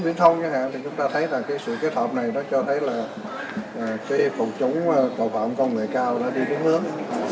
tập đồng bộ chính truyền thông chúng ta thấy sự kết hợp này cho thấy phòng chống tội phạm công nghệ cao đã đi tương hướng